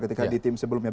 ketika di tim sebelumnya